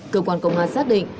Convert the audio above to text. cơ quan công an xác định